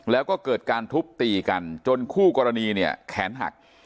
แล้วก็เกิดการทุบตีกันจนคู่กรณีเนี่ยแขนหัก